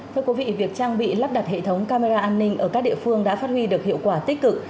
thưa quý vị việc trang bị lắp đặt hệ thống camera an ninh ở các địa phương đã phát huy được hiệu quả tích cực